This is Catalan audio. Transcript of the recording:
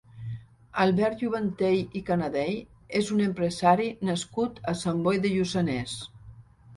Albert Juvanteny i Canadell és un empresari nascut a Sant Boi de Lluçanès.